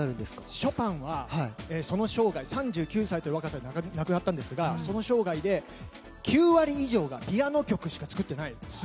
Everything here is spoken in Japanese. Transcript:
ショパンはその生涯３９歳という若さで亡くなったんですがその生涯で９割以上がピアノ曲しか作っていないんです。